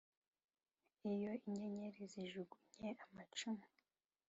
iyo inyenyeri zijugunye amacumu